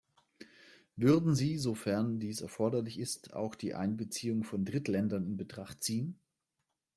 Würden Sie, sofern dies erforderlich ist, auch die Einbeziehung von Drittländern in Betracht ziehen?